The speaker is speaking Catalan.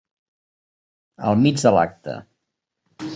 Al mig de l'acte.